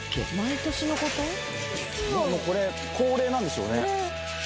もうこれ恒例なんでしょうね。